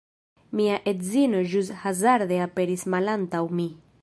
Mia edzino ĵus hazarde aperis malantaŭ mi